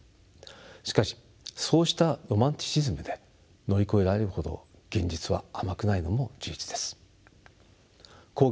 しかしそうしたロマンチシズムで乗り越えられるほど現実は甘くないのも事実です。